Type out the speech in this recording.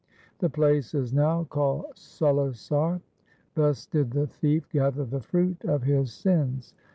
The place is now called Sulisar. Thus did the thief gather the fruit of his sins.